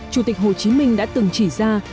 chủ tịch hồ chí minh đã từng chỉ ra